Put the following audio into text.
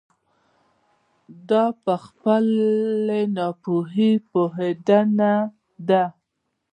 دا په خپلې ناپوهي پوهېدنه ده.